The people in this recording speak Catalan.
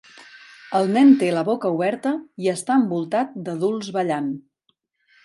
El nen té la boca oberta i està envoltat d'adults ballant.